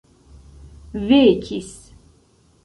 vekis